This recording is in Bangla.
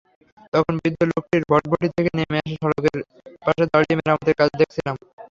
তখন বৃদ্ধ লোকটি ভটভটি থেকে নেমে সড়কের পাশে দাঁড়িয়ে মেরামতের কাজ দেখছিলেন।